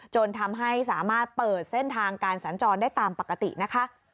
จนทำให้สามารถเปิดเส้นทางการสัญจรได้ตามปกตินะคะ